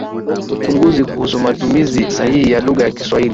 uchunguzi kuhusu matumizi sahihi ya lugha ya Kiswahili